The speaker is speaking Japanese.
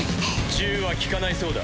銃は効かないそうだ。